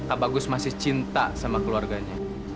abagus masih cinta sama keluarganya